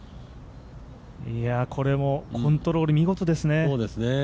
これもコントロール、見事ですね。